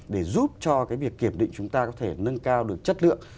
để giúp cho cái việc kiểm định chúng ta có thể nâng cao được chất lượng